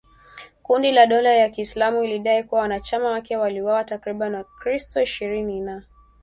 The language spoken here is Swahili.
kundi la dola ya kiislamu ilidai kuwa wanachama wake waliwauwa takribani wakristo ishirini na